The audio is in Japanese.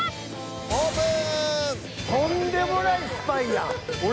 オープン！